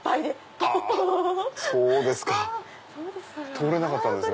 通れなかったんですね。